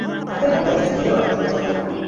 Ate munda w'ekigere wayitibwa watya?